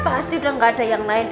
pasti udah gak ada yang lain